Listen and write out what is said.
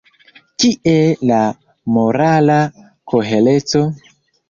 Kie la morala kohereco?